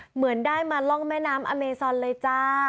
เหมือนได้มาล่องแม่น้ำอเมซอนเลยจ้า